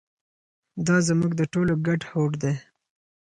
دا زموږ د ټولو ګډ هوډ دی.